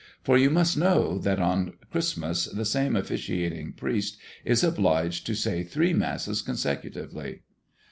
For you must know that on Christmas the same officiating priest is obliged to say three Masses consecutively.